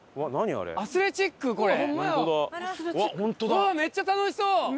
うわっめっちゃ楽しそう！